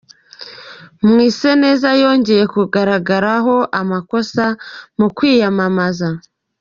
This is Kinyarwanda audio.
Mwiseneza yongeye kugaragaraho amakosa mu kwiyamamaza